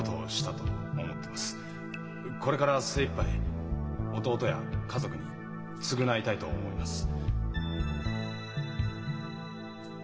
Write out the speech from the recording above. これから精いっぱい弟や家族に償いたいと思います。